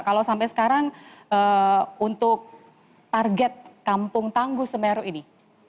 kalau sampai sekarang untuk target kampung tangguh semeru ini